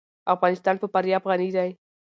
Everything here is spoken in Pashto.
افغانستان په فاریاب غني دی.